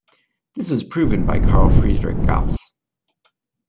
This was proven by Carl Friedrich Gauss.